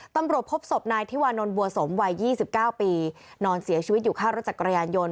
ตำรวจพบศพนายทิวานนท์บัวสมวัยยี่สิบเก้าปีนอนเสียชีวิตอยู่ข้าวรถจากกระยานยนต์